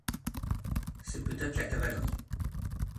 C’est peut-être la cavalerie.